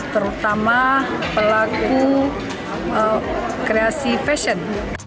terutama pelaku kreasi fashion